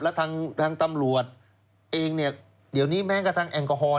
แล้วทางตำรวจเองเนี่ยเดี๋ยวนี้แม้กระทั่งแอลกอฮอล